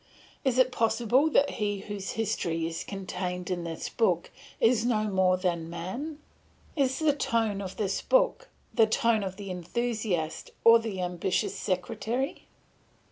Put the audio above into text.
Is it possible that he whose history is contained in this book is no more than man? Is the tone of this book, the tone of the enthusiast or the ambitious sectary?